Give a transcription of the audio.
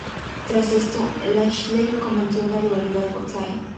Tras esto, Lashley comenzó una rivalidad con Zayn.